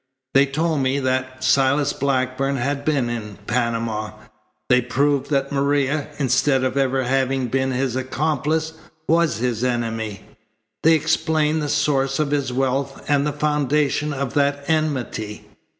They told me that Silas Blackburn had been in Panama. They proved that Maria, instead of ever having been his accomplice, was his enemy. They explained the source of his wealth and the foundation of that enmity.